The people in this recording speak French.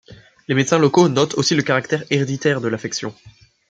Les médecins locaux notent aussi le caractère héréditaire de l'affection.